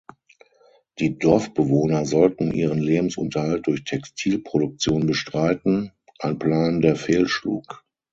Die Dorfbewohner sollten ihren Lebensunterhalt durch Textilproduktion bestreiten, ein Plan, der fehlschlug.